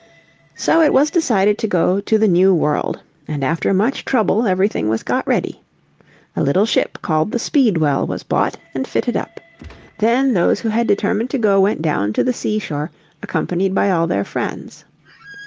So it was decided to go to the New World, and after much trouble everything was got ready. A little ship called the Speedwell was bought and fitted up. Then those who had determined to go went down to the sea shore accompanied by all their friends.